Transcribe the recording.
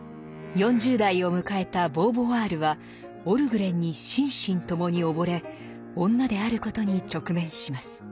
４０代を迎えたボーヴォワールはオルグレンに心身ともに溺れ女であることに直面します。